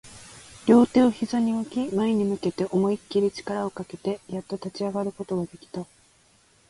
両手を膝に置き、前に向けて思いっきり力をかけて、やっと立ち上がることができた